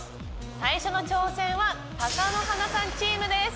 最初の挑戦は貴乃花さんチームです。